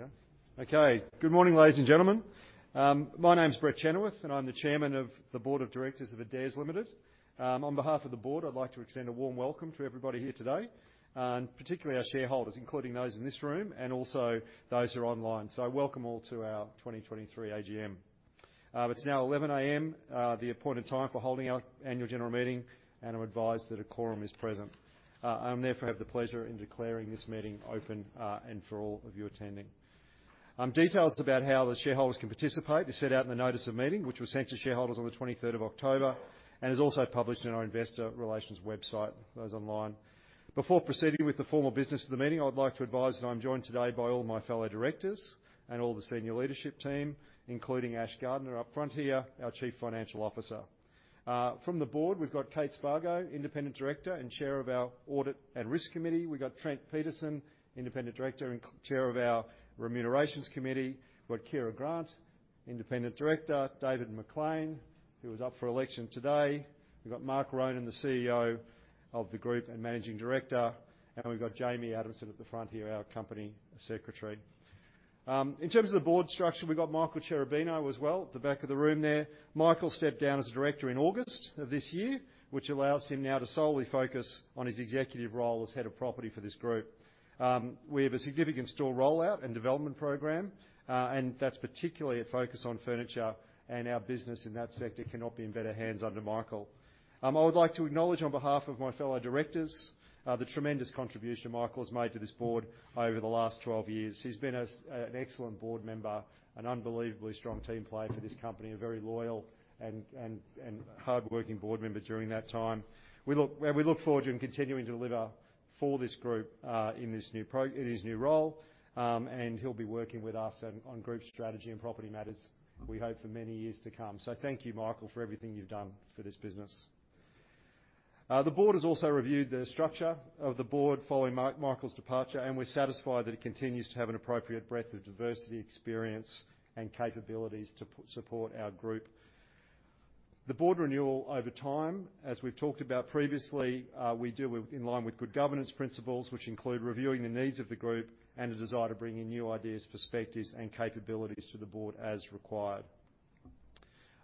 Here we go. Okay, good morning, ladies and gentlemen. My name is Brett Chenoweth, and I'm the Chairman of the Board of Directors of Adairs Limited. On behalf of the board, I'd like to extend a warm welcome to everybody here today, and particularly our shareholders, including those in this room and also those who are online. Welcome all to our 2023 AGM. It's now 11:00 A.M., the appointed time for holding our Annual General Meeting, and I'm advised that a quorum is present. I therefore have the pleasure in declaring this meeting open, and for all of you attending. Details about how the shareholders can participate is set out in the notice of meeting, which was sent to shareholders on 23 October, and is also published in our investor relations website for those online. Before proceeding with the formal business of the meeting, I'd like to advise that I'm joined today by all my fellow directors and all the senior leadership team, including Ash Gardner up front here, our Chief Financial Officer. From the board, we've got Kate Spargo, Independent Director and Chair of our Audit and Risk Committee. We've got Trent Peterson, Independent Director and Chair of our Remuneration Committee. We've got Kiera Grant, Independent Director. David MacLean, who is up for election today. We've got Mark Ronan, the CEO of the group and Managing Director, and we've got Jamie Adamson at the front here, our Company Secretary. In terms of the board structure, we've got Michael Cherubino as well, at the back of the room there. Michael stepped down as a director in August of this year, which allows him now to solely focus on his executive role as Head of Property for this group. We have a significant store rollout and development program, and that's particularly a focus on furniture, and our business in that sector cannot be in better hands under Michael. I would like to acknowledge on behalf of my fellow directors, the tremendous contribution Michael has made to this board over the last 12 years. He's been an excellent board member, an unbelievably strong team player for this company, a very loyal and hardworking board member during that time. And we look forward to him continuing to deliver for this group in this new role, and he'll be working with us on group strategy and property matters, we hope, for many years to come. So thank you, Michael, for everything you've done for this business. The board has also reviewed the structure of the board following Michael's departure, and we're satisfied that it continues to have an appropriate breadth of diversity, experience, and capabilities to support our group. The board renewal over time, as we've talked about previously, we deal with in line with good governance principles, which include reviewing the needs of the group and a desire to bring in new ideas, perspectives, and capabilities to the board as required.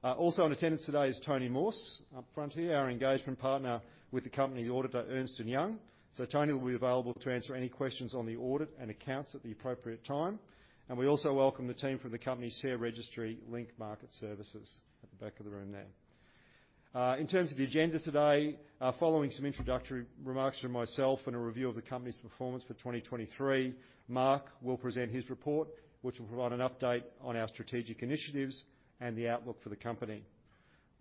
Also in attendance today is Tony Morse, up front here, our engagement partner with the company auditor, Ernst & Young. So Tony will be available to answer any questions on the audit and accounts at the appropriate time. And we also welcome the team from the company's share registry, Link Market Services, at the back of the room there. In terms of the agenda today, following some introductory remarks from myself and a review of the company's performance for 2023, Mark will present his report, which will provide an update on our strategic initiatives and the outlook for the company.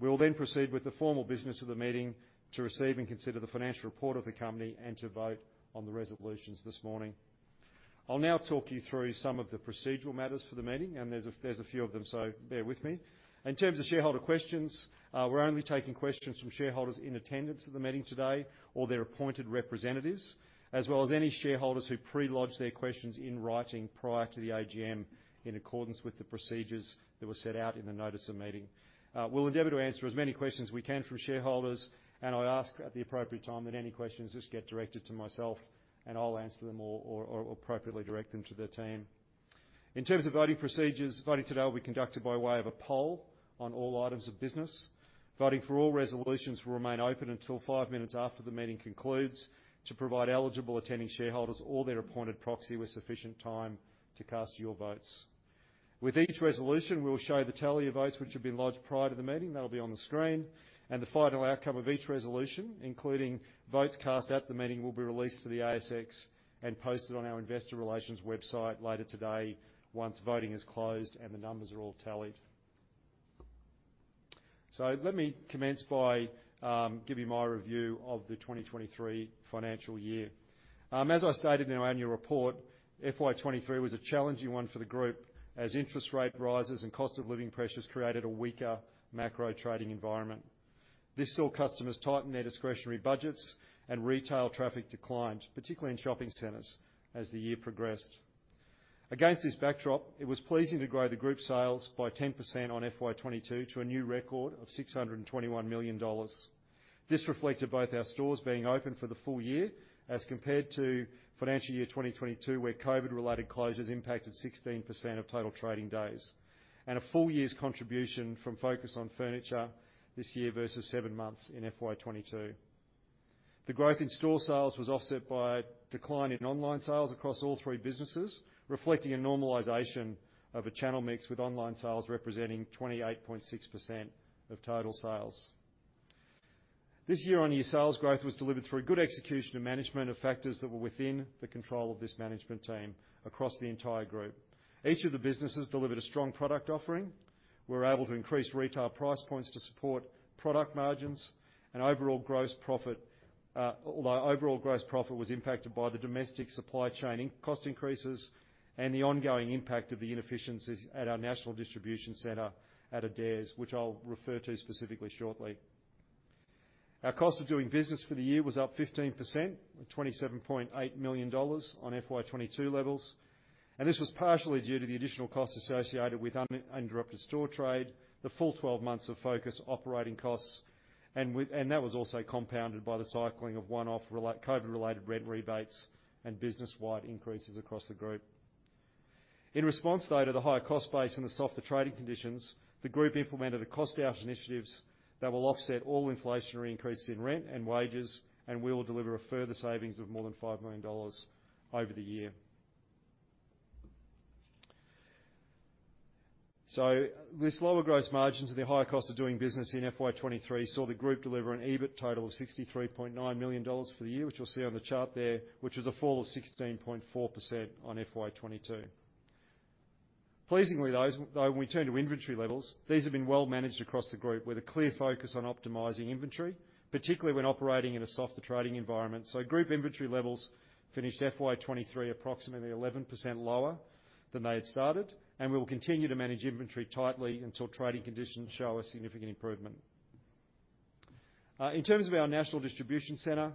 We will then proceed with the formal business of the meeting to receive and consider the financial report of the company and to vote on the resolutions this morning. I'll now talk you through some of the procedural matters for the meeting, and there's a few of them, so bear with me. In terms of shareholder questions, we're only taking questions from shareholders in attendance at the meeting today or their appointed representatives, as well as any shareholders who pre-lodged their questions in writing prior to the AGM, in accordance with the procedures that were set out in the notice of meeting. We'll endeavor to answer as many questions as we can from shareholders, and I ask at the appropriate time that any questions just get directed to myself, and I'll answer them or appropriately direct them to their team. In terms of voting procedures, voting today will be conducted by way of a poll on all items of business. Voting for all resolutions will remain open until five minutes after the meeting concludes to provide eligible attending shareholders or their appointed proxy with sufficient time to cast your votes. With each resolution, we will show the tally of votes, which have been lodged prior to the meeting, that'll be on the screen, and the final outcome of each resolution, including votes cast at the meeting, will be released to the ASX and posted on our investor relations website later today once voting is closed and the numbers are all tallied. So let me commence by giving my review of the 2023 financial year. As I stated in our annual report, FY 2023 was a challenging one for the group, as interest rate rises and cost of living pressures created a weaker macro trading environment. This saw customers tighten their discretionary budgets and retail traffic declined, particularly in shopping centers, as the year progressed. Against this backdrop, it was pleasing to grow the group's sales by 10% on FY 2022 to a new record of 621 million dollars. This reflected both our stores being open for the full year as compared to financial year 2022, where COVID-related closures impacted 16% of total trading days, and a full year's contribution from Focus on Furniture this year versus seven months in FY 2022. The growth in store sales was offset by a decline in online sales across all three businesses, reflecting a normalization of a channel mix, with online sales representing 28.6% of total sales. This year-on-year sales growth was delivered through a good execution of management of factors that were within the control of this management team across the entire group. Each of the businesses delivered a strong product offering. We were able to increase retail price points to support product margins and overall gross profit, although overall gross profit was impacted by the domestic supply chain cost increases and the ongoing impact of the inefficiencies at our national distribution center at Adairs, which I'll refer to specifically shortly. Our cost of doing business for the year was up 15%, at 27.8 million dollars on FY 2022 levels. and this was partially due to the additional costs associated with uninterrupted store trade, the full 12 months of Focus operating costs, and that was also compounded by the cycling of one-off COVID-related rent rebates and business-wide increases across the group. In response, though, to the higher cost base and the softer trading conditions, the group implemented a cost out initiatives that will offset all inflationary increases in rent and wages, and we will deliver a further savings of more than 5 million dollars over the year. So with lower gross margins and the higher cost of doing business in FY 2023 saw the group deliver an EBIT total of 63.9 million dollars for the year, which you'll see on the chart there, which is a fall of 16.4% on FY 2022. Pleasingly, when we turn to inventory levels, these have been well managed across the group with a clear focus on optimizing inventory, particularly when operating in a softer trading environment. Group inventory levels finished FY 2023, approximately 11% lower than they had started, and we will continue to manage inventory tightly until trading conditions show a significant improvement. In terms of our national distribution center,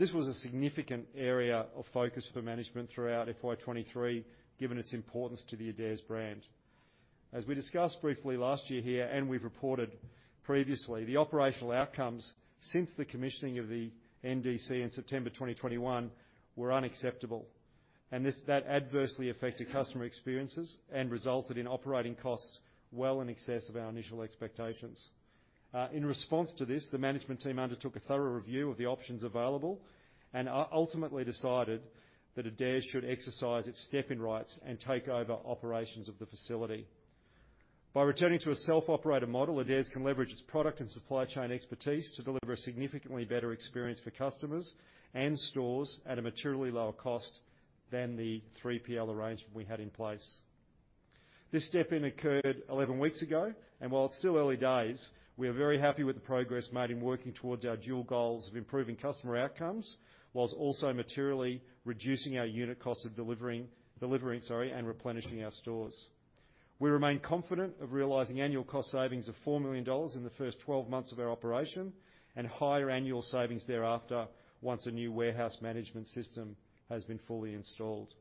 this was a significant area of focus for management throughout FY 2023, given its importance to the Adairs brand. As we discussed briefly last year here, and we've reported previously, the operational outcomes since the commissioning of the NDC in September 2021 were unacceptable, and that adversely affected customer experiences and resulted in operating costs well in excess of our initial expectations. In response to this, the management team undertook a thorough review of the options available and ultimately decided that Adairs should exercise its step-in rights and take over operations of the facility. By returning to a self-operated model, Adairs can leverage its product and supply chain expertise to deliver a significantly better experience for customers and stores at a materially lower cost than the 3PL arrangement we had in place. This step-in occurred 11 weeks ago, and while it's still early days, we are very happy with the progress made in working towards our dual goals of improving customer outcomes, while also materially reducing our unit cost of delivering and replenishing our stores. We remain confident of realizing annual cost savings of 4 million dollars in the first 12 months of our operation, and higher annual savings thereafter, once a new warehouse management system has been fully installed.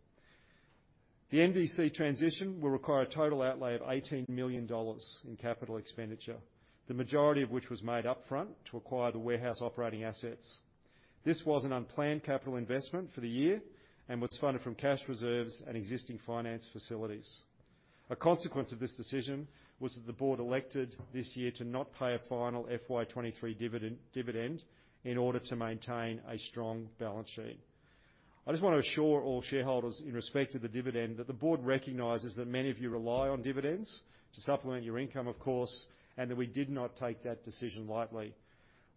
The NDC transition will require a total outlay of 18 million dollars in capital expenditure, the majority of which was made upfront to acquire the warehouse operating assets. This was an unplanned capital investment for the year and was funded from cash reserves and existing finance facilities. A consequence of this decision was that the board elected this year to not pay a final FY 2023 dividend in order to maintain a strong balance sheet. I just want to assure all shareholders in respect to the dividend, that the board recognizes that many of you rely on dividends to supplement your income, of course, and that we did not take that decision lightly.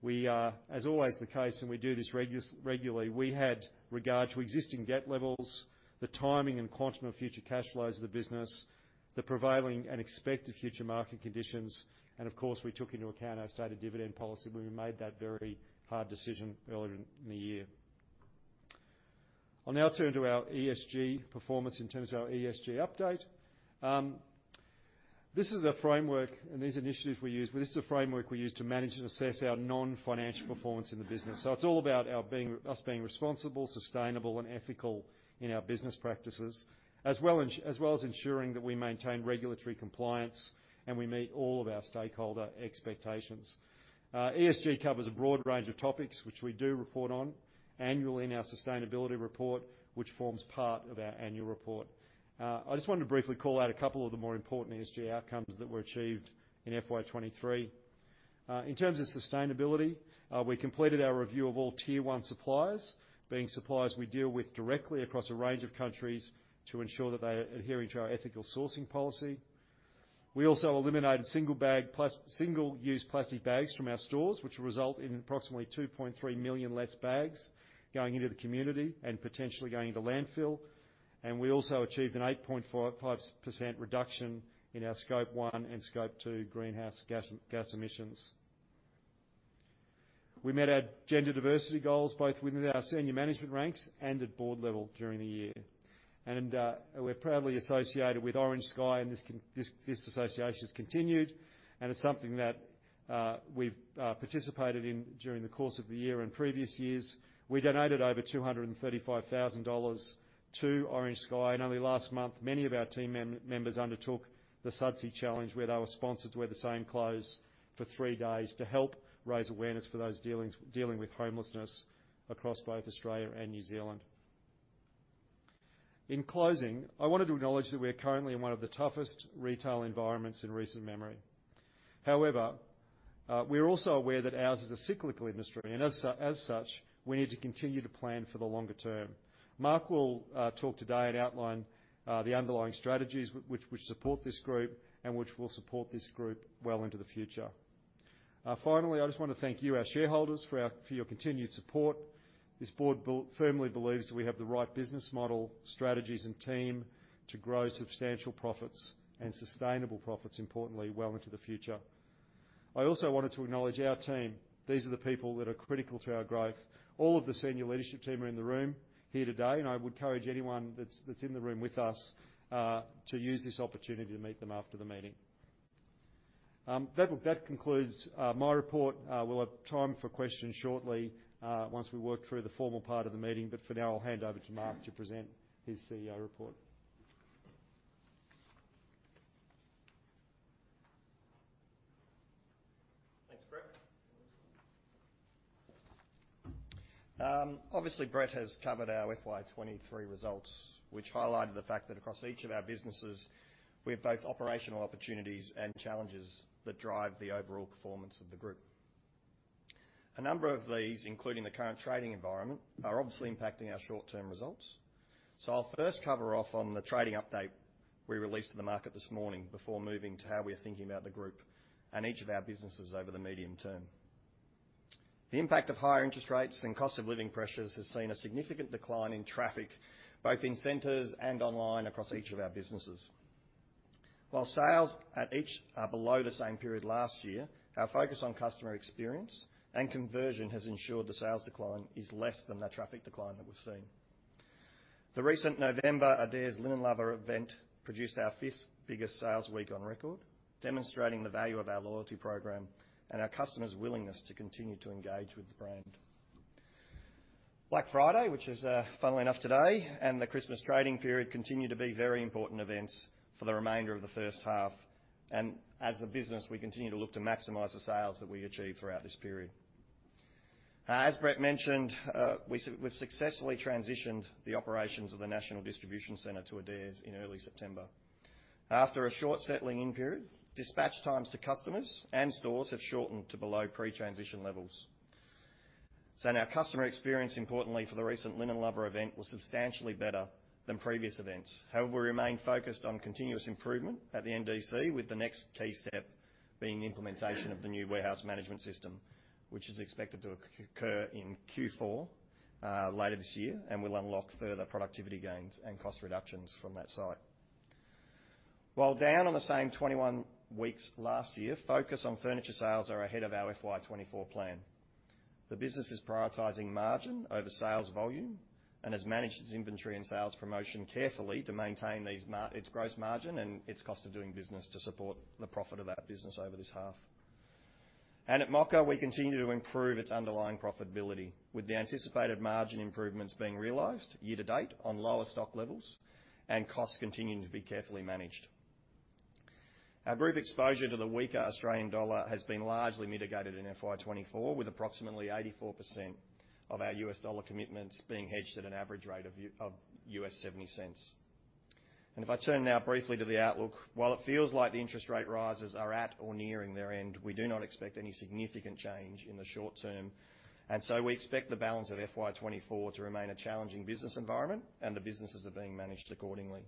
We are, as always the case, and we do this regularly, we had regard to existing debt levels, the timing and quantum of future cash flows of the business, the prevailing and expected future market conditions, and of course, we took into account our stated dividend policy when we made that very hard decision earlier in the year. I'll now turn to our ESG performance in terms of our ESG update. This is a framework, and these initiatives we use, but this is a framework we use to manage and assess our non-financial performance in the business. So it's all about us being responsible, sustainable, and ethical in our business practices, as well as ensuring that we maintain regulatory compliance, and we meet all of our stakeholder expectations. ESG covers a broad range of topics which we do report on annually in our sustainability report, which forms part of our annual report. I just wanted to briefly call out a couple of the more important ESG outcomes that were achieved in FY 2023. In terms of sustainability, we completed our review of all Tier One suppliers, being suppliers we deal with directly across a range of countries to ensure that they are adhering to our ethical sourcing policy. We also eliminated single-use plastic bags from our stores, which will result in approximately 2.3 million less bags going into the community and potentially going to landfill. We also achieved an 8.55% reduction in our Scope One and Scope Two greenhouse gas emissions. We met our gender diversity goals, both within our senior management ranks and at board level during the year. We're proudly associated with Orange Sky, and this association has continued, and it's something that we've participated in during the course of the year and previous years. We donated over 235,000 dollars to Orange Sky, and only last month, many of our team members undertook the Sudsy Challenge, where they were sponsored to wear the same clothes for three days to help raise awareness for those dealing with homelessness across both Australia and New Zealand. In closing, I wanted to acknowledge that we are currently in one of the toughest retail environments in recent memory. However, we are also aware that ours is a cyclical industry, and as such, we need to continue to plan for the longer term. Mark will talk today and outline the underlying strategies which support this group and which will support this group well into the future. Finally, I just want to thank you, our shareholders, for your continued support. This board firmly believes that we have the right business model, strategies, and team to grow substantial profits and sustainable profits, importantly, well into the future. I also wanted to acknowledge our team. These are the people that are critical to our growth. All of the senior leadership team are in the room here today, and I would encourage anyone that's in the room with us to use this opportunity to meet them after the meeting. That concludes my report. We'll have time for questions shortly, once we work through the formal part of the meeting, but for now, I'll hand over to Mark to present his CEO report. Thanks, Brett. Obviously, Brett has covered our FY 2023 results, which highlighted the fact that across each of our businesses, we have both operational opportunities and challenges that drive the overall performance of the group. A number of these, including the current trading environment, are obviously impacting our short-term results. So I'll first cover off on the trading update we released to the market this morning before moving to how we're thinking about the group and each of our businesses over the medium term. The impact of higher interest rates and cost of living pressures has seen a significant decline in traffic, both in centers and online across each of our businesses. While sales at each are below the same period last year, our focus on customer experience and conversion has ensured the sales decline is less than the traffic decline that we've seen. The recent November Adairs Linen Lovers event produced our fifth biggest sales week on record, demonstrating the value of our loyalty program and our customers' willingness to continue to engage with the brand. Black Friday, which is, funnily enough, today, and the Christmas trading period continue to be very important events for the remainder of the first half, and as a business, we continue to look to maximize the sales that we achieve throughout this period. As Brett mentioned, we've successfully transitioned the operations of the national distribution center to Adairs in early September. After a short settling-in period, dispatch times to customers and stores have shortened to below pre-transition levels. So now customer experience, importantly for the recent Linen Lovers event, was substantially better than previous events. However, we remain focused on continuous improvement at the NDC, with the next key step being the implementation of the new warehouse management system, which is expected to occur in Q4 later this year, and will unlock further productivity gains and cost reductions from that site. While down on the same 21 weeks last year, Focus on Furniture sales are ahead of our FY 2024 plan. The business is prioritizing margin over sales volume and has managed its inventory and sales promotion carefully to maintain its gross margin and its cost of doing business to support the profit of that business over this half. At Mocka, we continue to improve its underlying profitability, with the anticipated margin improvements being realized year to date on lower stock levels and costs continuing to be carefully managed. Our brief exposure to the weaker Australian dollar has been largely mitigated in FY 2024, with approximately 84% of our U.S. dollar commitments being hedged at an average rate of $0.70. If I turn now briefly to the outlook, while it feels like the interest rate rises are at or nearing their end, we do not expect any significant change in the short term, and so we expect the balance of FY 2024 to remain a challenging business environment, and the businesses are being managed accordingly.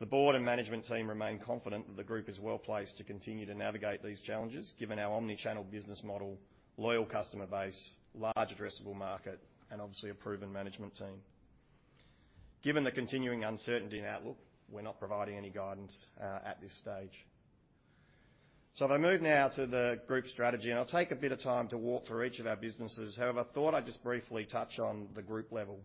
The board and management team remain confident that the group is well-placed to continue to navigate these challenges, given our omni-channel business model, loyal customer base, large addressable market, and obviously, a proven management team. Given the continuing uncertainty in outlook, we're not providing any guidance at this stage. So if I move now to the group strategy, and I'll take a bit of time to walk through each of our businesses. However, I thought I'd just briefly touch on the group level.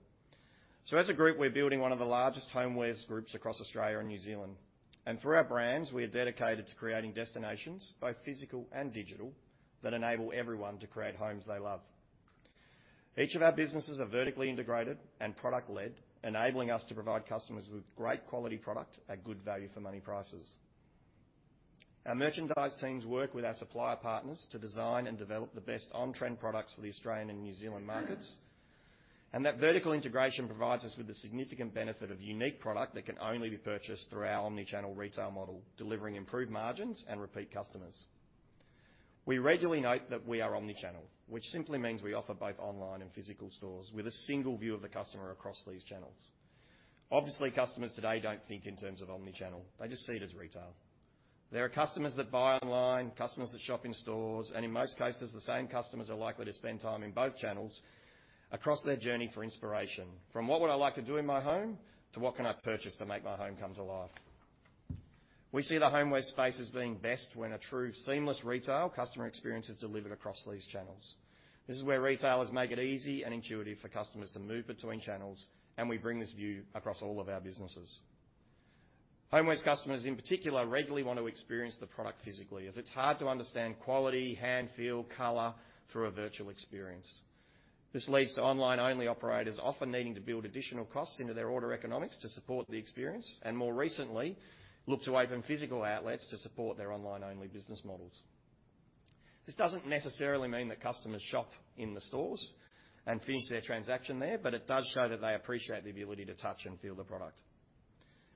So as a group, we're building one of the largest homewares groups across Australia and New Zealand, and through our brands, we are dedicated to creating destinations, both physical and digital, that enable everyone to create homes they love. Each of our businesses are vertically integrated and product-led, enabling us to provide customers with great quality product at good value for money prices. Our merchandise teams work with our supplier partners to design and develop the best on-trend products for the Australian and New Zealand markets, and that vertical integration provides us with the significant benefit of unique product that can only be purchased through our omni-channel retail model, delivering improved margins and repeat customers. We regularly note that we are omni-channel, which simply means we offer both online and physical stores with a single view of the customer across these channels. Obviously, customers today don't think in terms of omni-channel, they just see it as retail. There are customers that buy online, customers that shop in stores, and in most cases, the same customers are likely to spend time in both channels across their journey for inspiration, from, "What would I like to do in my home?" to, "What can I purchase to make my home come to life?" We see the homeware space as being best when a true seamless retail customer experience is delivered across these channels. This is where retailers make it easy and intuitive for customers to move between channels, and we bring this view across all of our businesses. Homewares customers, in particular, regularly want to experience the product physically, as it's hard to understand quality, hand feel, color through a virtual experience. This leads to online-only operators often needing to build additional costs into their order economics to support the experience, and more recently, look to open physical outlets to support their online-only business models. This doesn't necessarily mean that customers shop in the stores and finish their transaction there, but it does show that they appreciate the ability to touch and feel the product.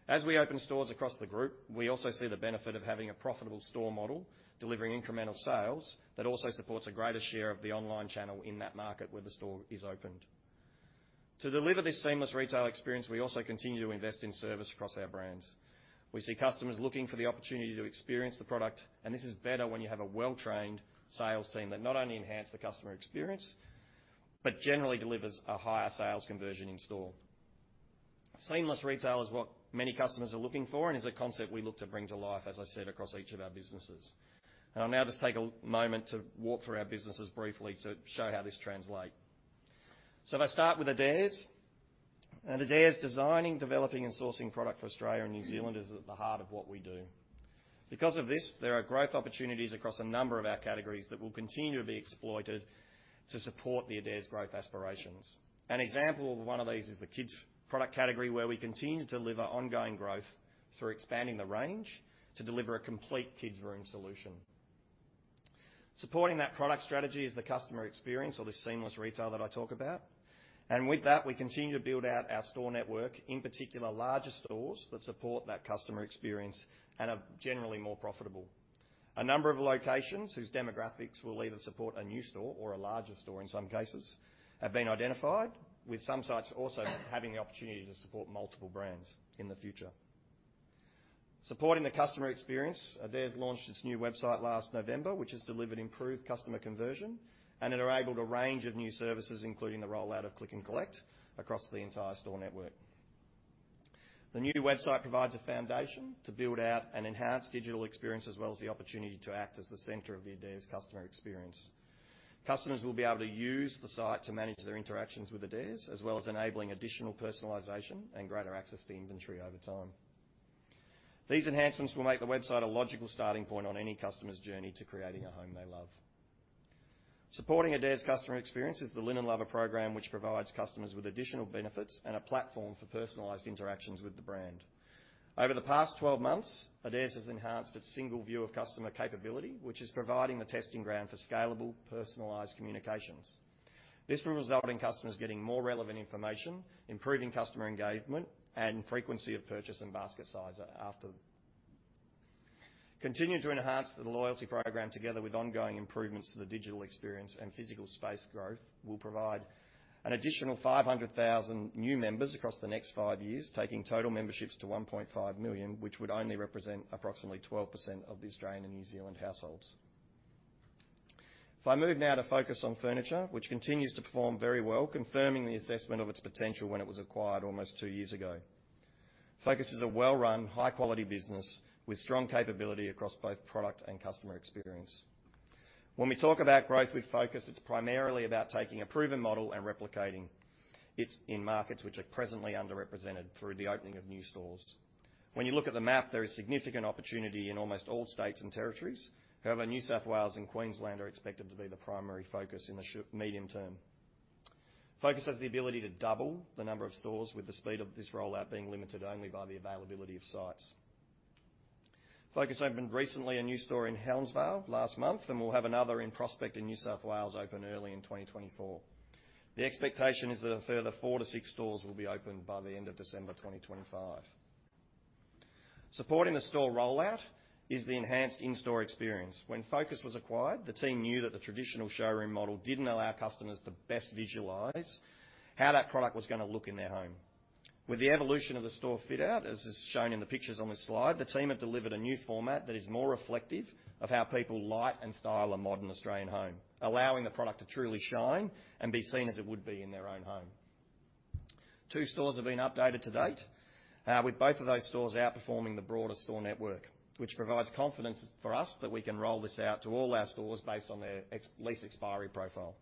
As we open stores across the group, we also see the benefit of having a profitable store model, delivering incremental sales that also supports a greater share of the online channel in that market where the store is opened. To deliver this seamless retail experience, we also continue to invest in service across our brands. We see customers looking for the opportunity to experience the product, and this is better when you have a well-trained sales team that not only enhance the customer experience, but generally delivers a higher sales conversion in store. Seamless retail is what many customers are looking for and is a concept we look to bring to life, as I said, across each of our businesses. I'll now just take a moment to walk through our businesses briefly to show how this translate.... So if I start with Adairs, and Adairs designing, developing, and sourcing product for Australia and New Zealand is at the heart of what we do. Because of this, there are growth opportunities across a number of our categories that will continue to be exploited to support the Adairs growth aspirations. An example of one of these is the kids' product category, where we continue to deliver ongoing growth through expanding the range to deliver a complete kids' room solution. Supporting that product strategy is the customer experience or the seamless retail that I talk about. And with that, we continue to build out our store network, in particular, larger stores that support that customer experience and are generally more profitable. A number of locations whose demographics will either support a new store or a larger store in some cases, have been identified, with some sites also having the opportunity to support multiple brands in the future. Supporting the customer experience, Adairs launched its new website last November, which has delivered improved customer conversion, and it enabled a range of new services, including the rollout of Click and Collect across the entire store network. The new website provides a foundation to build out an enhanced digital experience, as well as the opportunity to act as the center of the Adairs customer experience. Customers will be able to use the site to manage their interactions with Adairs, as well as enabling additional personalization and greater access to inventory over time. These enhancements will make the website a logical starting point on any customer's journey to creating a home they love. Supporting Adairs' customer experience is the Linen Lover program, which provides customers with additional benefits and a platform for personalized interactions with the brand. Over the past 12 months, Adairs has enhanced its single view of customer capability, which is providing the testing ground for scalable, personalized communications. This will result in customers getting more relevant information, improving customer engagement, and frequency of purchase and basket size after. Continuing to enhance the loyalty program, together with ongoing improvements to the digital experience and physical space growth, will provide an additional 500,000 new members across the next five years, taking total memberships to 1.5 million, which would only represent approximately 12% of the Australian and New Zealand households. If I move now to Focus on Furniture, which continues to perform very well, confirming the assessment of its potential when it was acquired almost two years ago. Focus is a well-run, high-quality business with strong capability across both product and customer experience. When we talk about growth with Focus, it's primarily about taking a proven model and replicating it in markets which are presently underrepresented through the opening of new stores. When you look at the map, there is significant opportunity in almost all states and territories. However, New South Wales and Queensland are expected to be the primary focus in the short- to medium term. Focus has the ability to double the number of stores, with the speed of this rollout being limited only by the availability of sites. Focus opened recently a new store in Helensvale last month, and we'll have another in prospect in New South Wales open early in 2024. The expectation is that a further four to six stores will be opened by the end of December 2025. Supporting the store rollout is the enhanced in-store experience. When Focus was acquired, the team knew that the traditional showroom model didn't allow customers to best visualize how that product was going to look in their home. With the evolution of the store fit-out, as is shown in the pictures on this slide, the team have delivered a new format that is more reflective of how people light and style a modern Australian home, allowing the product to truly shine and be seen as it would be in their own home. Two stores have been updated to date, with both of those stores outperforming the broader store network, which provides confidence for us that we can roll this out to all our stores based on their ex-lease expiry profile.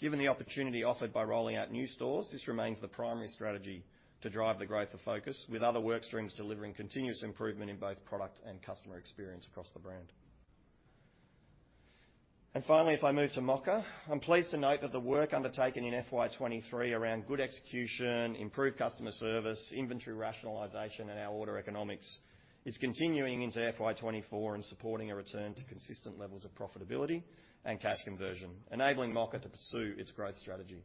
Given the opportunity offered by rolling out new stores, this remains the primary strategy to drive the growth of Focus, with other work streams delivering continuous improvement in both product and customer experience across the brand. Finally, if I move to Mocka, I'm pleased to note that the work undertaken in FY 2023 around good execution, improved customer service, inventory rationalization, and our order economics is continuing into FY 2024 and supporting a return to consistent levels of profitability and cash conversion, enabling Mocka to pursue its growth strategy.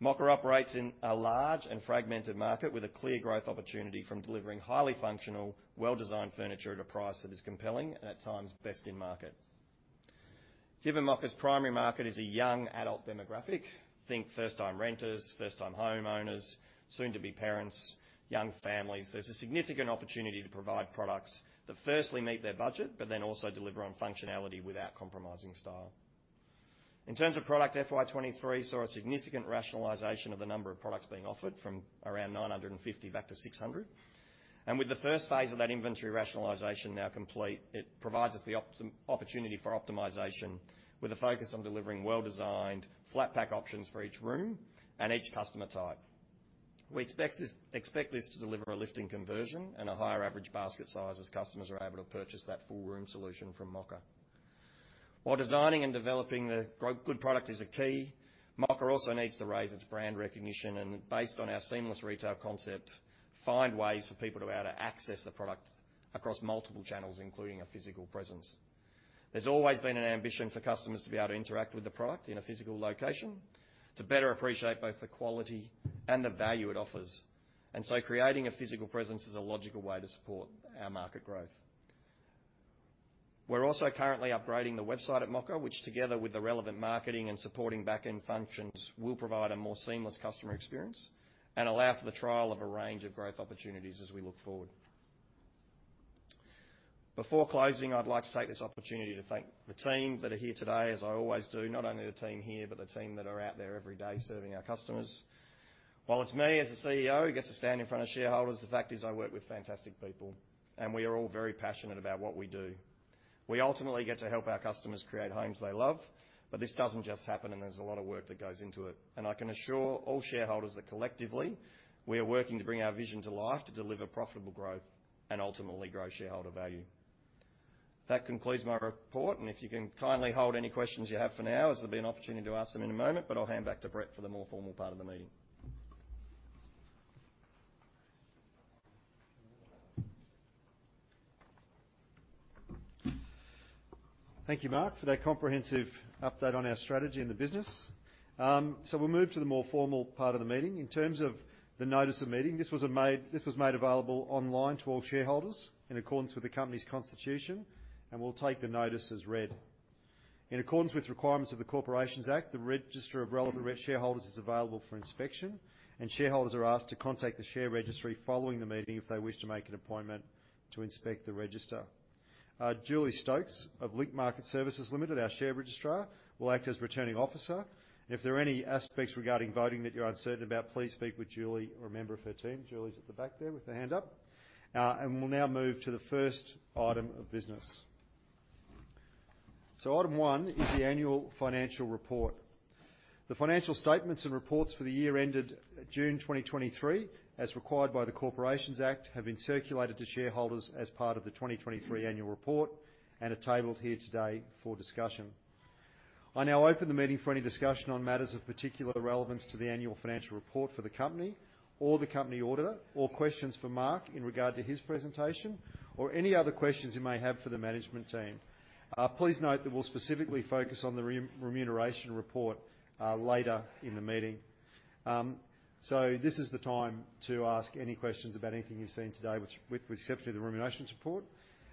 Mocka operates in a large and fragmented market with a clear growth opportunity from delivering highly functional, well-designed furniture at a price that is compelling and, at times, best in market. Given Mocka's primary market is a young adult demographic, think first-time renters, first-time homeowners, soon-to-be parents, young families, there's a significant opportunity to provide products that firstly meet their budget, but then also deliver on functionality without compromising style. In terms of product, FY 2023 saw a significant rationalization of the number of products being offered from around 950 back to 600. And with the first phase of that inventory rationalization now complete, it provides us the opportunity for optimization, with a focus on delivering well-designed flat pack options for each room and each customer type. We expect this to deliver a lift in conversion and a higher average basket size as customers are able to purchase that full room solution from Mocka. While designing and developing the good product is a key, Mocka also needs to raise its brand recognition and, based on our seamless retail concept, find ways for people to be able to access the product across multiple channels, including a physical presence. There's always been an ambition for customers to be able to interact with the product in a physical location, to better appreciate both the quality and the value it offers, and so creating a physical presence is a logical way to support our market growth. We're also currently upgrading the website at Mocka, which, together with the relevant marketing and supporting back-end functions, will provide a more seamless customer experience and allow for the trial of a range of growth opportunities as we look forward. Before closing, I'd like to take this opportunity to thank the team that are here today, as I always do, not only the team here, but the team that are out there every day serving our customers.... While it's me as the CEO who gets to stand in front of shareholders, the fact is I work with fantastic people, and we are all very passionate about what we do. We ultimately get to help our customers create homes they love, but this doesn't just happen, and there's a lot of work that goes into it. I can assure all shareholders that collectively, we are working to bring our vision to life to deliver profitable growth and ultimately grow shareholder value. That concludes my report, and if you can kindly hold any questions you have for now, as there'll be an opportunity to ask them in a moment, but I'll hand back to Brett for the more formal part of the meeting. Thank you, Mark, for that comprehensive update on our strategy and the business. So we'll move to the more formal part of the meeting. In terms of the notice of meeting, this was made available online to all shareholders in accordance with the company's constitution, and we'll take the notice as read. In accordance with requirements of the Corporations Act, the register of relevant shareholders is available for inspection, and shareholders are asked to contact the share registry following the meeting if they wish to make an appointment to inspect the register. Julie Stokes of Link Market Services Limited, our share registrar, will act as Returning Officer. If there are any aspects regarding voting that you're uncertain about, please speak with Julie or a member of her team. Julie's at the back there with her hand up. And we'll now move to the first item of business. Item one is the annual financial report. The financial statements and reports for the year ended June 2023, as required by the Corporations Act, have been circulated to shareholders as part of the 2023 annual report and are tabled here today for discussion. I now open the meeting for any discussion on matters of particular relevance to the annual financial report for the company or the company auditor, or questions for Mark in regard to his presentation, or any other questions you may have for the management team. Please note that we'll specifically focus on the remuneration report later in the meeting. This is the time to ask any questions about anything you've seen today, with exception to the remuneration report.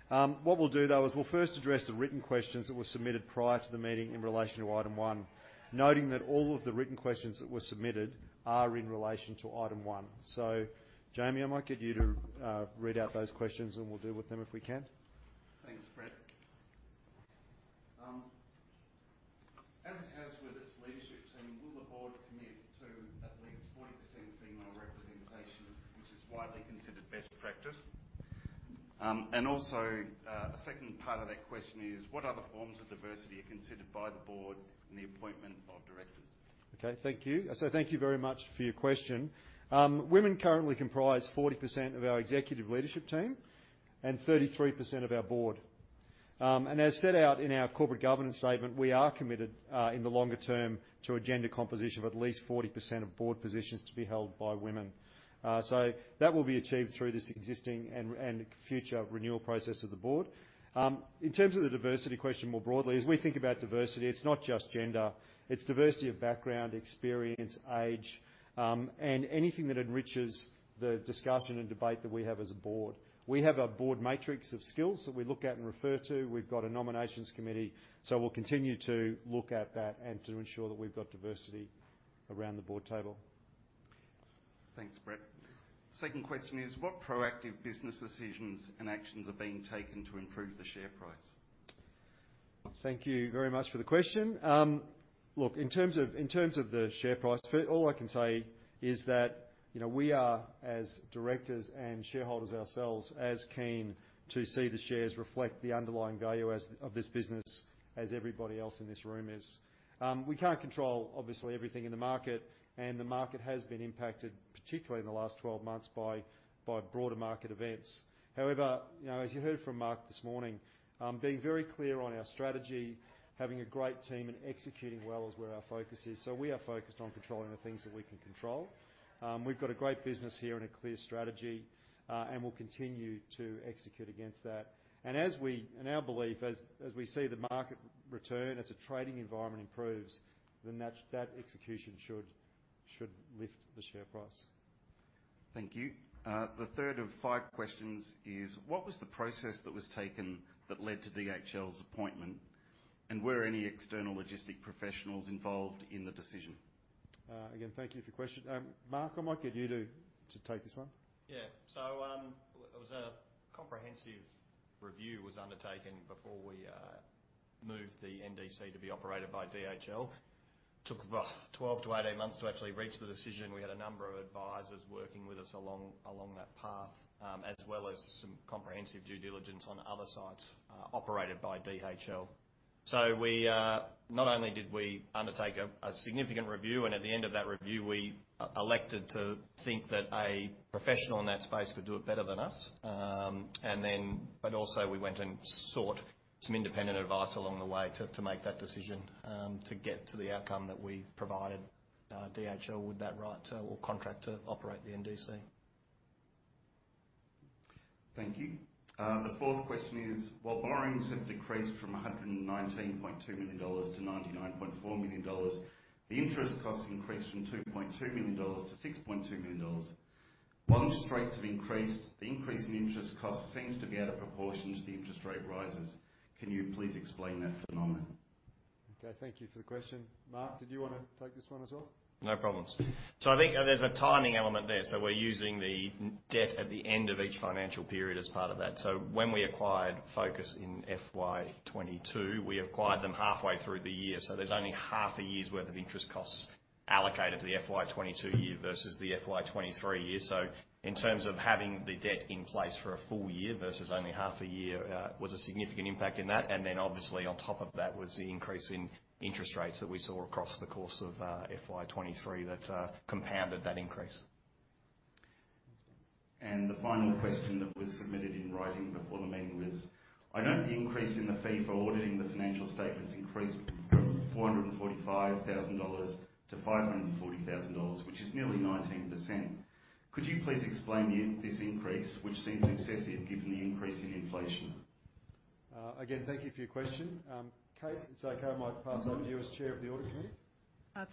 What we'll do, though, is we'll first address the written questions that were submitted prior to the meeting in relation to item one, noting that all of the written questions that were submitted are in relation to item one. So Jamie, I might get you to read out those questions, and we'll deal with them if we can. Thanks, Brett. As it has with its leadership team, will the board commit to at least 40% female representation, which is widely considered best practice? And also, a second part of that question is: What other forms of diversity are considered by the board in the appointment of directors? Okay. Thank you. So thank you very much for your question. Women currently comprise 40% of our executive leadership team and 33% of our board. And as set out in our corporate governance statement, we are committed, in the longer term to a gender composition of at least 40% of board positions to be held by women. So that will be achieved through this existing and, and future renewal process of the board. In terms of the diversity question more broadly, as we think about diversity, it's not just gender, it's diversity of background, experience, age, and anything that enriches the discussion and debate that we have as a board. We have a board matrix of skills that we look at and refer to. We've got a Nominations Committee, so we'll continue to look at that and to ensure that we've got diversity around the board table. Thanks, Brett. Second question is: What proactive business decisions and actions are being taken to improve the share price? Thank you very much for the question. Look, in terms of the share price, first, all I can say is that, you know, we are, as directors and shareholders ourselves, as keen to see the shares reflect the underlying value as of this business as everybody else in this room is. We can't control, obviously, everything in the market, and the market has been impacted, particularly in the last 12 months, by broader market events. However, you know, as you heard from Mark this morning, being very clear on our strategy, having a great team and executing well is where our focus is. So we are focused on controlling the things that we can control. We've got a great business here and a clear strategy, and we'll continue to execute against that. And as we... And our belief, as we see the market return, as the trading environment improves, then that execution should lift the share price. Thank you. The third of five questions is: What was the process that was taken that led to DHL's appointment, and were any external logistics professionals involved in the decision? Again, thank you for your question. Mark, I might get you to take this one. Yeah. So, it was a comprehensive review was undertaken before we moved the NDC to be operated by DHL. Took about 12-18 months to actually reach the decision. We had a number of advisors working with us along, along that path, as well as some comprehensive due diligence on other sites operated by DHL. So we not only did we undertake a significant review, and at the end of that review, we elected to think that a professional in that space could do it better than us. And then, but also we went and sought some independent advice along the way to make that decision, to get to the outcome that we provided DHL with that right or contract to operate the NDC. Thank you. The fourth question is: While borrowings have decreased from AUD 119.2 to 99.4 million, the interest costs increased from AUD 2.2 to 6.2 million. While interest rates have increased, the increase in interest costs seems to be out of proportion to the interest rate rises. Can you please explain that phenomenon? Okay, thank you for the question. Mark, did you want to take this one as well? No problems. So I think there's a timing element there. So we're using the net debt at the end of each financial period as part of that. So when we acquired Focus in FY 2022, we acquired them halfway through the year, so there's only half a year's worth of interest costs allocated to the FY 2022 year versus the FY 2023 year. So in terms of having the debt in place for a full year versus only half a year, was a significant impact in that, and then obviously, on top of that, was the increase in interest rates that we saw across the course of, FY 2023 that compounded that increase. The final question that was submitted in writing before the meeting was: I note the increase in the fee for auditing the financial statements increased from 445,000 dollars to 540,000, which is nearly 19%. Could you please explain this increase, which seems excessive given the increase in inflation? Again, thank you for your question. Kate, so I might pass over to you as Chair of the Audit Committee.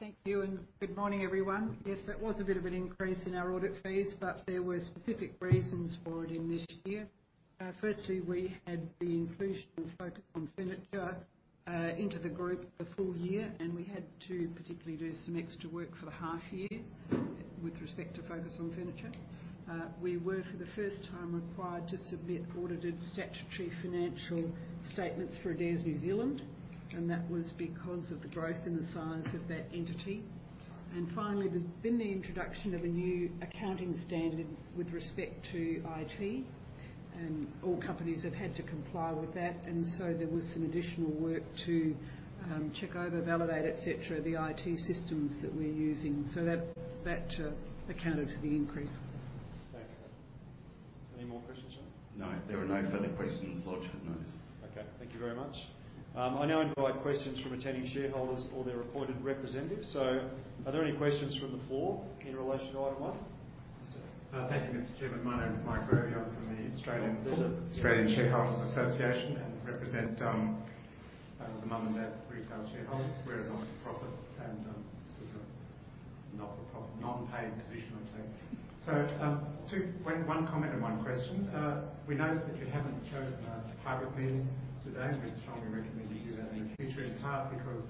Thank you, and good morning, everyone. Yes, that was a bit of an increase in our audit fees, but there were specific reasons for it in this year. Firstly, we had the inclusion of Focus on Furniture into the group the full year, and we had to particularly do some extra work for the half year with respect to Focus on Furniture. We were, for the first time, required to submit audited statutory financial statements for Adairs New Zealand, and that was because of the growth in the size of that entity. Finally, there's been the introduction of a new accounting standard with respect to IT, and all companies have had to comply with that. So there was some additional work to check over, validate, et cetera, the IT systems that we're using. So that accounted for the increase. Thanks. Any more questions? No, there are no further questions lodged with us. Okay, thank you very much. I now invite questions from attending shareholders or their appointed representatives. So are there any questions from the floor in relation to item one? Thank you, Mr. Chairman. My name is Mike Verwey. I'm from the Australian Shareholders Association and represent the mum-and-dad retail shareholders. We're a not-for-profit and this is a not-for-profit, non-paid positional place. So, two: one comment and one question. We noticed that you haven't chosen a hybrid meeting today. We'd strongly recommend that you do that in the future, in part because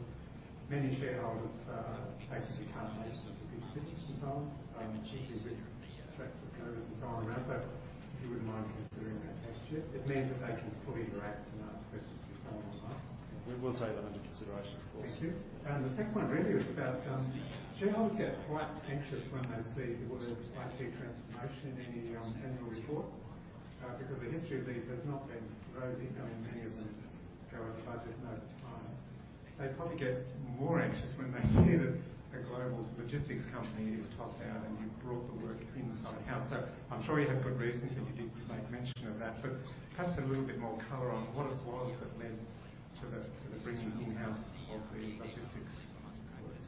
many shareholders basically can't make it to the big cities and so on. Because of COVID and so on around. So if you wouldn't mind considering that next year, it means that they can fully interact and ask questions and so on. We will take that under consideration, of course. Thank you. And the second point really is about shareholders get quite anxious when they see the word IT transformation in any annual report because the history of these has not been rosy. I mean, many of them go over budget most of the time. They probably get more anxious when they hear that a global logistics company is tossed out, and you've brought the work in-house. So I'm sure you have good reasons, and you did make mention of that, but perhaps a little bit more color on what it was that led to the bringing in-house of the logistics.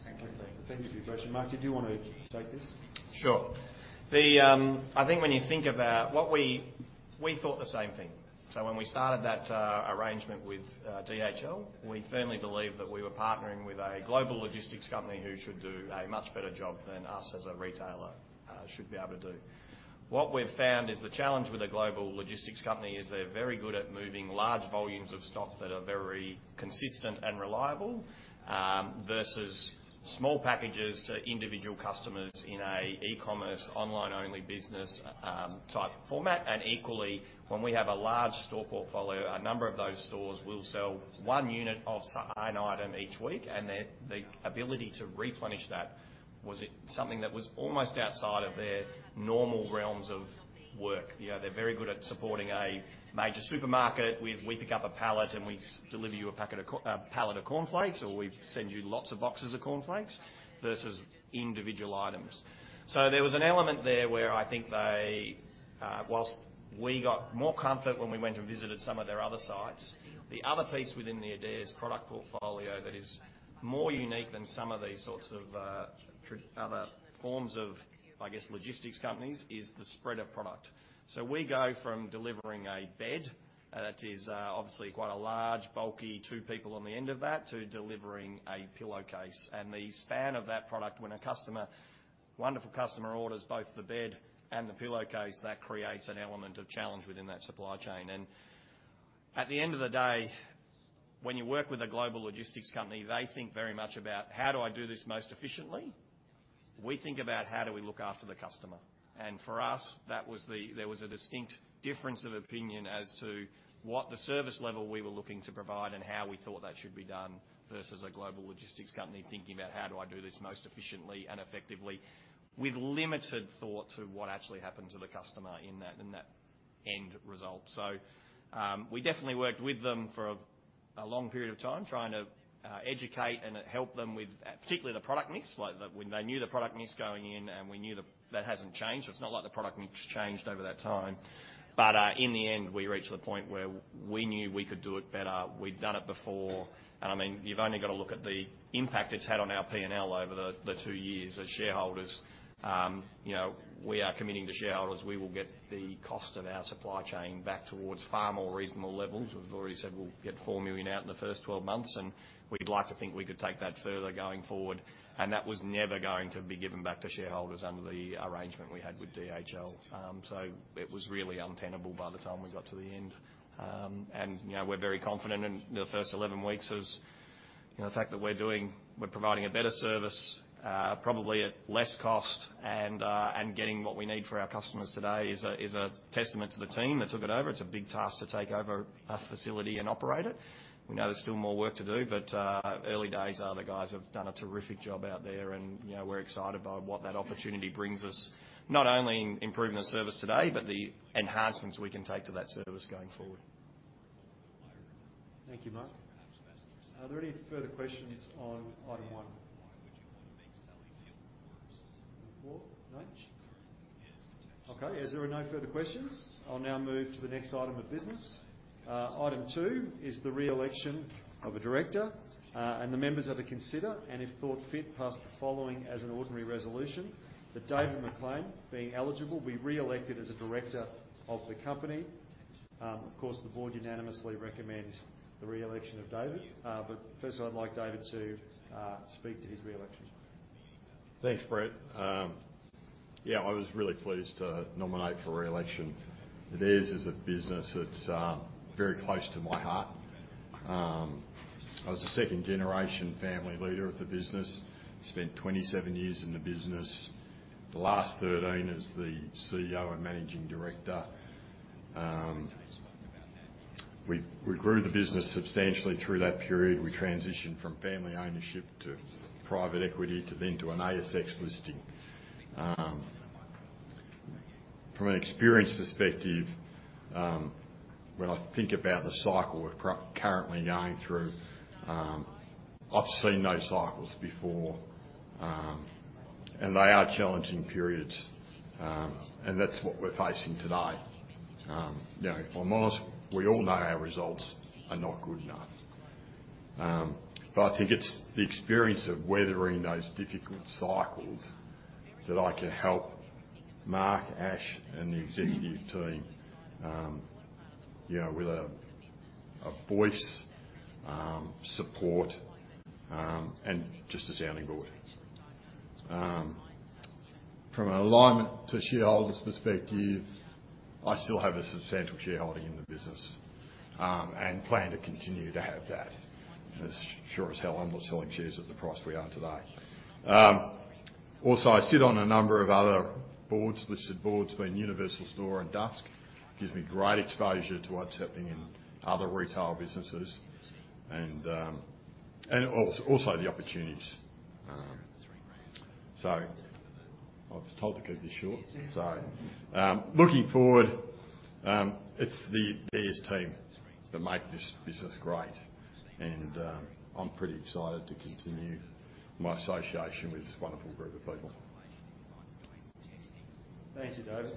Thank you. Thank you for your question. Mark, did you want to take this? Sure. The I think when you think about what we thought the same thing. So when we started that arrangement with DHL, we firmly believed that we were partnering with a global logistics company who should do a much better job than us as a retailer should be able to do. What we've found is the challenge with a global logistics company is they're very good at moving large volumes of stock that are very consistent and reliable versus small packages to individual customers in a e-commerce, online-only business type format. And equally, when we have a large store portfolio, a number of those stores will sell one unit of an item each week, and the ability to replenish that was something that was almost outside of their normal realms of work. You know, they're very good at supporting a major supermarket. We, we pick up a pallet and we deliver you a packet of, pallet of cornflakes, or we send you lots of boxes of cornflakes versus individual items. So there was an element there where I think they, whilst we got more comfort when we went and visited some of their other sites, the other piece within the Adairs product portfolio that is more unique than some of these sorts of, other forms of, I guess, logistics companies, is the spread of product. So we go from delivering a bed that is, obviously quite a large, bulky, two people on the end of that, to delivering a pillowcase. The span of that product, when a customer, wonderful customer, orders both the bed and the pillowcase, that creates an element of challenge within that supply chain. At the end of the day, when you work with a global logistics company, they think very much about: How do I do this most efficiently? We think about: How do we look after the customer? For us, that was there was a distinct difference of opinion as to what the service level we were looking to provide and how we thought that should be done, versus a global logistics company thinking about: How do I do this most efficiently and effectively? With limited thought to what actually happened to the customer in that, in that end result. So, we definitely worked with them for a long period of time, trying to educate and help them with particularly the product mix. Like, when they knew the product mix going in, and we knew that hasn't changed. It's not like the product mix changed over that time. But, in the end, we reached the point where we knew we could do it better. We'd done it before, and I mean, you've only got to look at the impact it's had on our P&L over the two years. As shareholders, you know, we are committing to shareholders, we will get the cost of our supply chain back towards far more reasonable levels. We've already said we'll get 4 million out in the first 12 months, and we'd like to think we could take that further going forward, and that was never going to be given back to shareholders under the arrangement we had with DHL. So it was really untenable by the time we got to the end. You know, we're very confident in the first 11 weeks as, you know, the fact that we're providing a better service, probably at less cost and getting what we need for our customers today is a testament to the team that took it over. It's a big task to take over a facility and operate it. We know there's still more work to do, but early days, the guys have done a terrific job out there, and, you know, we're excited by what that opportunity brings us, not only in improving the service today, but the enhancements we can take to that service going forward. Thank you, Mark. Are there any further questions on item one? No. Okay, as there are no further questions, I'll now move to the next item of business. Item two is the re-election of a director, and the members are to consider, and if thought fit, pass the following as an ordinary resolution, that David MacLean, being eligible, be re-elected as a director of the company. Of course, the board unanimously recommends the re-election of David. But first of all, I'd like David to speak to his re-election. Thanks, Brett. Yeah, I was really pleased to nominate for re-election. It is a business that's very close to my heart. I was a second-generation family leader of the business. Spent 27 years in the business, the last 13 as the CEO and Managing Director. We grew the business substantially through that period. We transitioned from family ownership to private equity to then to an ASX listing. From an experience perspective, when I think about the cycle we're currently going through, I've seen those cycles before, and they are challenging periods, and that's what we're facing today. You know, if I'm honest, we all know our results are not good enough. But I think it's the experience of weathering those difficult cycles that I can help Mark, Ash, and the executive team, you know, with a voice, support, and just a sounding board. From an alignment to shareholders' perspective, I still have a substantial shareholding in the business, and plan to continue to have that. As sure as hell, I'm not selling shares at the price we are today. Also, I sit on a number of other boards, listed boards, being Universal Store and Dusk. Gives me great exposure to what's happening in other retail businesses and, and also the opportunities. So I was told to keep this short. So, looking forward, it's the Adairs team that make this business great, and, I'm pretty excited to continue my association with this wonderful group of people. Thank you, David.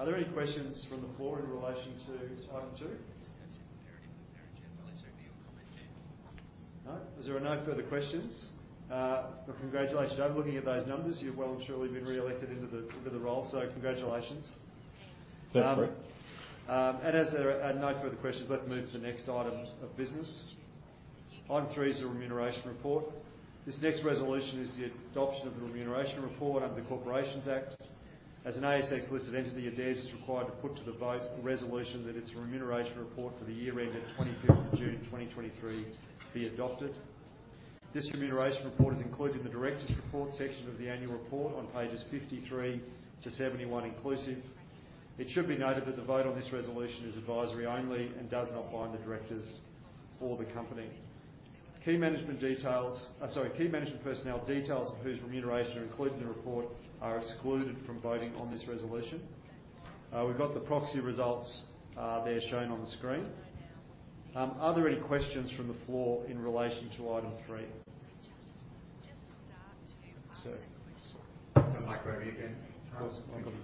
Are there any questions from the floor in relation to item two? No. As there are no further questions, well, congratulations. After looking at those numbers, you've well and truly been re-elected into the, into the role, so congratulations. Thanks, Brett. As there are no further questions, let's move to the next item of business. Item three is the remuneration report. This next resolution is the adoption of the remuneration report under the Corporations Act. As an ASX-listed entity, Adairs is required to put to the vote the resolution that its remuneration report for the year ended 25 June 2023 be adopted. This remuneration report is included in the directors' report section of the annual report on pages 53-71 inclusive. It should be noted that the vote on this resolution is advisory only and does not bind the directors or the company. Key management personnel, details of whose remuneration are included in the report, are excluded from voting on this resolution. We've got the proxy results there shown on the screen. Are there any questions from the floor in relation to item three? So Mark Verwey again. Of course, welcome.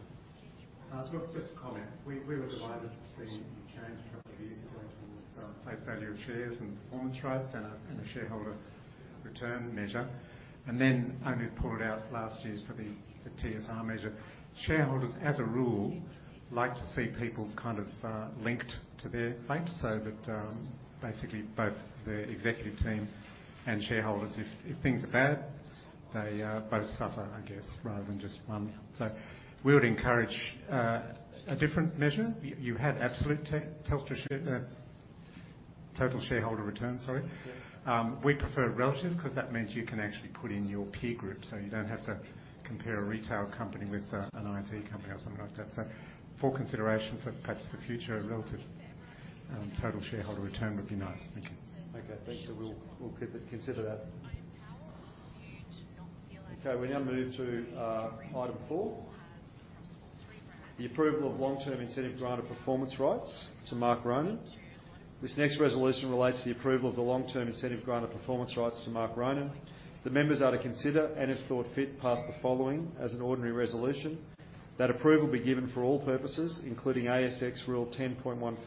So just a comment. We, we were delighted to see you change a couple of years ago towards face value of shares and performance rights and a, and a shareholder return measure, and then only pulled out last year's for the TSR measure. Shareholders, as a rule, like to see people kind of linked to their fate, so that basically, both the executive team and shareholders, if things are bad, they both suffer, I guess, rather than just one. So we would encourage a different measure. You had absolute Telstra share total shareholder return, sorry. Yeah. We prefer relative, 'cause that means you can actually put in your peer group, so you don't have to compare a retail company with an IT company or something like that. So for consideration for perhaps the future, a relative total shareholder return would be nice. Thank you. Okay, thanks. So we'll keep it, consider that. Okay, we now move to item four, the approval of long-term incentive grant of performance rights to Mark Ronan. This next resolution relates to the approval of the long-term incentive grant of performance rights to Mark Ronan. The members are to consider, and if thought fit, pass the following as an ordinary resolution. That approval be given for all purposes, including ASX Rule 10.14,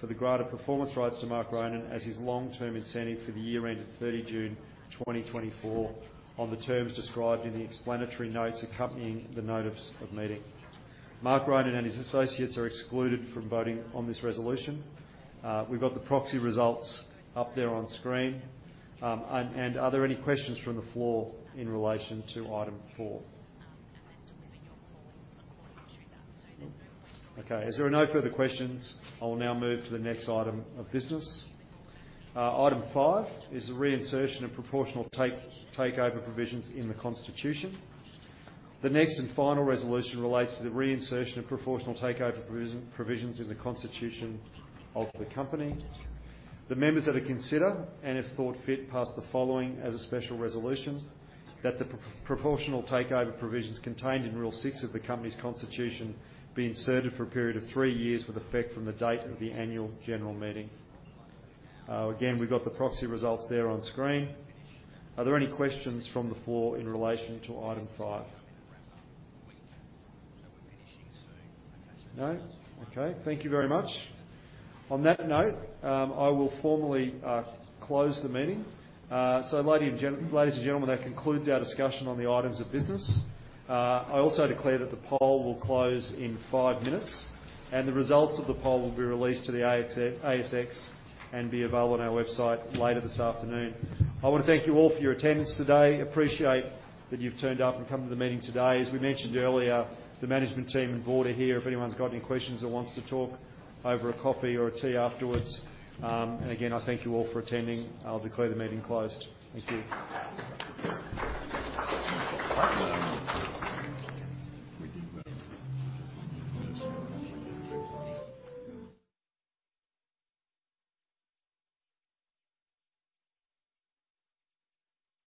for the grant of performance rights to Mark Ronan as his long-term incentive for the year ended 30 June 2024, on the terms described in the explanatory notes accompanying the notice of meeting. Mark Ronan and his associates are excluded from voting on this resolution. We've got the proxy results up there on screen. And are there any questions from the floor in relation to item four? Okay, as there are no further questions, I will now move to the next item of business. Item five is the reinsertion of proportional takeover provisions in the constitution. The next and final resolution relates to the reinsertion of proportional takeover provisions in the constitution of the company. The members are to consider, and if thought fit, pass the following as a special resolution: that the proportional takeover provisions contained in Rule 6 of the company's constitution be inserted for a period of three years with effect from the date of the annual general meeting. Again, we've got the proxy results there on screen. Are there any questions from the floor in relation to item five? No? Okay. Thank you very much. On that note, I will formally close the meeting. Ladies and gentlemen, that concludes our discussion on the items of business. I also declare that the poll will close in five minutes, and the results of the poll will be released to the ASX and be available on our website later this afternoon. I want to thank you all for your attendance today. Appreciate that you've turned up and come to the meeting today. As we mentioned earlier, the management team and board are here if anyone's got any questions or wants to talk over a coffee or a tea afterwards. Again, I thank you all for attending. I'll declare the meeting closed. Thank you.